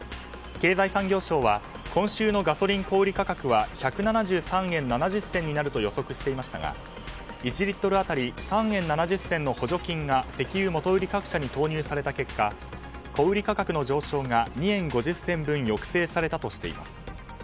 経済産業省は今週のガソリン小売価格は１７３円７０銭になると予測していましたが１リットル当たり３円７０銭の補助金が石油元売り各社に投入された結果小売価格の上昇が２円５０銭分抑制されたとしています。